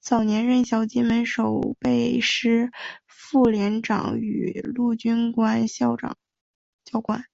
早年任小金门守备师副连长与陆军官校教官。